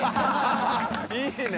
いいね！